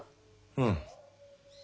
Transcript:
うん。